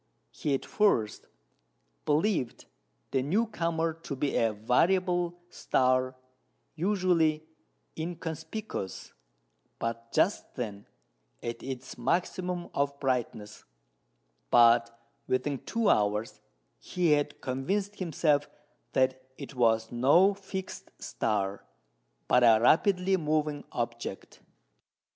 He at first believed the new comer to be a variable star usually inconspicuous, but just then at its maximum of brightness; but within two hours he had convinced himself that it was no fixed star, but a rapidly moving object.